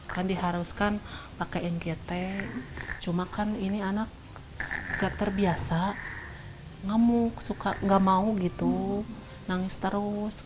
kan diharuskan pakai ngt cuma kan ini anak terbiasa ngamuk suka gak mau gitu nangis terus